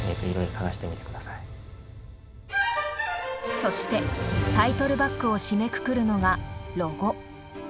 そしてタイトルバックを締めくくるのがロゴ。